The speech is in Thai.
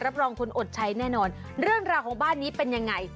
รองคนอดใช้แน่นอนเรื่องราวของบ้านนี้เป็นยังไง